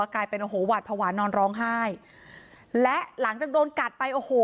กลายเป็นโอ้โหหวาดภาวะนอนร้องไห้และหลังจากโดนกัดไปโอ้โห